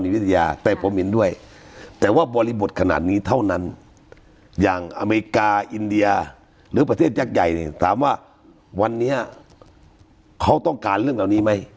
หรือประเทศยักย์ใหญ่เนี่ยถามว่าวันนี้เขาต้องการเรื่องเหล่านี้ไหม